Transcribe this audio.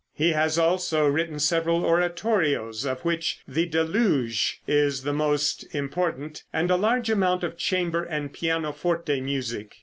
He has also written several oratorios, of which "The Deluge" is the most important, and a large amount of chamber and pianoforte music.